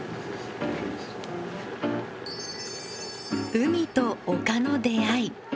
「海と丘の出会い」。